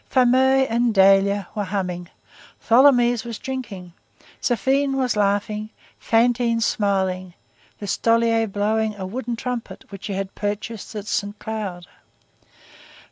Fameuil and Dahlia were humming. Tholomyès was drinking. Zéphine was laughing, Fantine smiling, Listolier blowing a wooden trumpet which he had purchased at Saint Cloud.